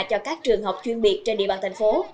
cho các trường học chuyên biệt trên địa bàn thành phố